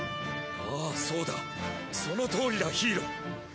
あぁそうだそのとおりだヒイロ！